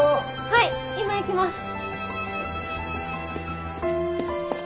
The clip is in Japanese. はい今行きます！